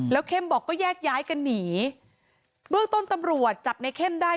แล้วเข้มบอกก็แยกย้ายกันหนีเบื้องต้นตำรวจจับในเข้มได้